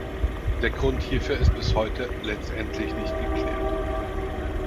Der Grund hierfür ist bis heute letztendlich nicht geklärt.